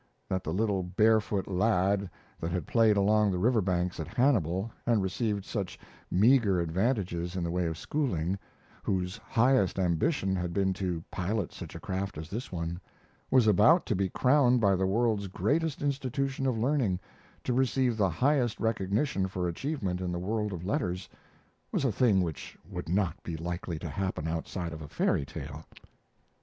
That the little barefoot lad that had played along the river banks at Hannibal, and received such meager advantages in the way of schooling whose highest ambition had been to pilot such a craft as this one was about to be crowned by the world's greatest institution of learning, to receive the highest recognition for achievement in the world of letters, was a thing which would not be likely to happen outside of a fairy tale.